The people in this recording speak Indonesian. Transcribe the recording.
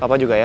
papa juga ya